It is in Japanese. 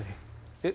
えっ？